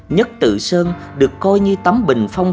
nhất tự sơn được coi như tấm bình phong